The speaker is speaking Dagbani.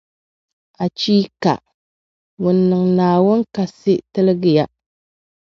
Achiika! Ŋun niŋ Naawuni kasi tilgi ya.